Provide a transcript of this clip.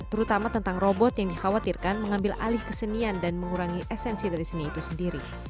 terutama tentang robot yang dikhawatirkan mengambil alih kesenian dan mengurangi esensi dari seni itu sendiri